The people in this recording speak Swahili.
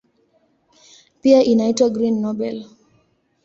Pia inaitwa "Green Nobel".